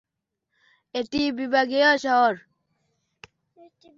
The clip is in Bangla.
এটি বিভাগীয় শহর।